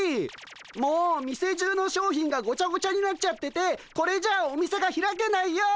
もう店中の商品がごちゃごちゃになっちゃっててこれじゃお店が開けないよ。